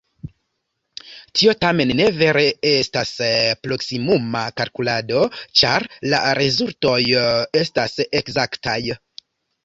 Tio tamen ne vere estas proksimuma kalkulado, ĉar la rezultoj estas ekzaktaj.